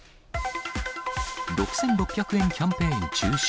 ６６００円キャンペーン中止。